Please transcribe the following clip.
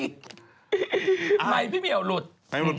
ไม้พี่เมียวหลุดไม้หลุด